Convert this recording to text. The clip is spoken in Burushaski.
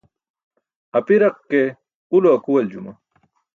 Apiraq ke, ulo akuwaljuma.